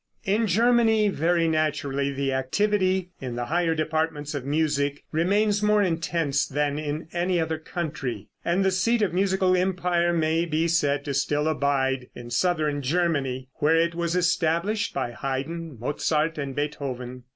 In Germany, very naturally, the activity in the higher departments of music remains more intense than in any other country, and the seat of musical empire may be said to still abide in southern Germany, where it was established by Haydn, Mozart and Beethoven.